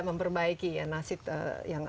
memperbaiki nasib yang